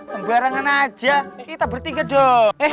sembarangan aja kita bertiga dong